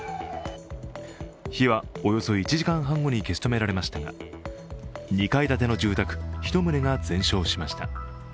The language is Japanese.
火はおよそ１時間半後に消し止められましたが、２階建ての住宅１棟が全焼しました。